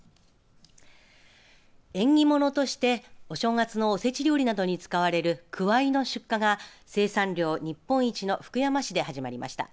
縁起物としてお正月のおせち料理などに使われるくわいの出荷が生産量日本一の福山市で始まりました。